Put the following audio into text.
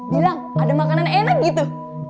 bilang ada makanan enak gitu